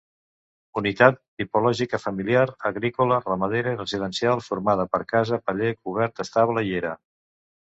Unitat tipològica familiar, agrícola, ramadera i residencial, formada per casa, paller, cobert, estable i era.